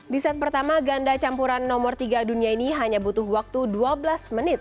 di set pertama ganda campuran nomor tiga dunia ini hanya butuh waktu dua belas menit